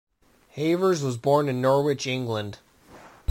Havers was born in Norwich, England.